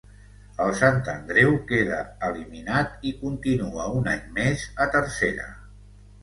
El Sant Andreu queda eliminat i continua un any més a Tercera.